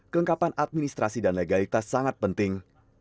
kelengkapan administrasi dan legalitas sangat penting